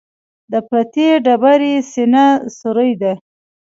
د پرتې ډبرې سینه سورۍ ده.